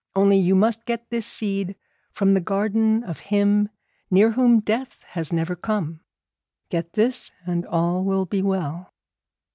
Only you must get this seed from the garden of him near whom death has never come. Get this, and all will be well.'